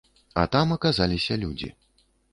А там аказаліся людзі.